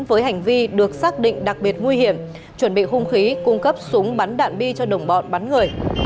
với hành vi được xác định đặc biệt nguy hiểm chuẩn bị hung khí cung cấp súng bắn đạn bi cho đồng bọn bắn người